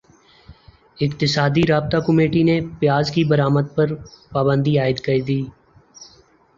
اقتصادی رابطہ کمیٹی نے پیاز کی برمد پر پابندی عائد کردی